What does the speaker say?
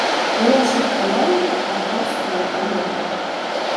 У іншых каманд папросту няма мэтаў.